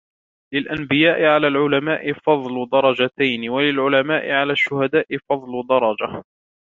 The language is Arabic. لِلْأَنْبِيَاءِ عَلَى الْعُلَمَاءِ فَضْلُ دَرَجَتَيْنِ وَلِلْعُلَمَاءِ عَلَى الشُّهَدَاءِ فَضْلُ دَرَجَةٍ